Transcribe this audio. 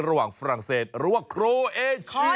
ระหว่างฝรั่งเศสหรือว่าโครเอเชีย